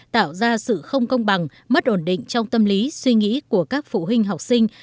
tạo ra sự không công bằng mất ổn định trong tâm lý suy nghĩ của các phụ huynh học sinh